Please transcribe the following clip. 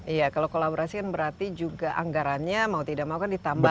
iya kalau kolaborasi kan berarti juga anggarannya mau tidak mau kan ditambah